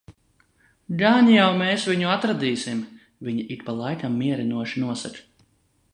"Gan jau mēs viņu atradīsim," viņa ik pa laikam mierinoši nosaka.